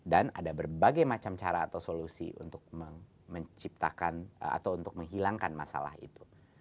dan ada berbagai macam cara atau solusi untuk menciptakan atau untuk menghilangkan masalah itu